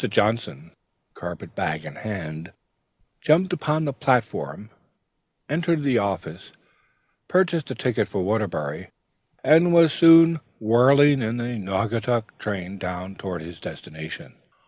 Johnson, carpet bag in hand, jumped upon the platform, entered the office, purchased a ticket for Waterbury, and was soon whirling in the Naugatuck train towards his destination.